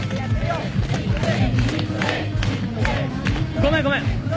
ごめんごめん。